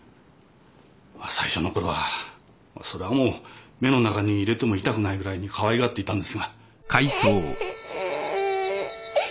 まっ最初のころはそれはもう目の中に入れても痛くないぐらいにかわいがっていたんですが。